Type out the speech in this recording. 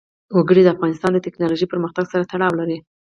وګړي د افغانستان د تکنالوژۍ پرمختګ سره تړاو لري.